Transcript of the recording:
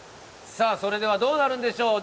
さあそれではどうなるんでしょう？